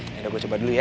yaudah gua coba dulu ya